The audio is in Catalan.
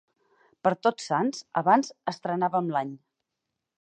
Per Tots Sants abans estrenàvem l'any.